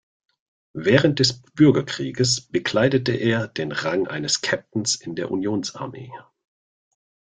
Während des Bürgerkrieges bekleidete er den Rang eines Captain in der Unionsarmee.